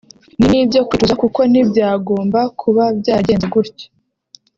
ni n’ibyo kwicuza kuko ntibyagomba kuba byaragenze gutya